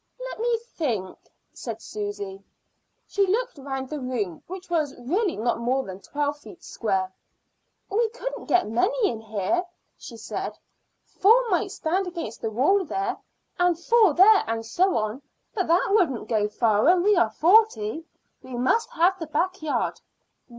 "Let me think," said Susy. She looked round the room, which was really not more than twelve feet square. "We couldn't get many in here," she said. "Four might stand against the wall there, and four there, and so on, but that wouldn't go far when there are forty. We must have the backyard."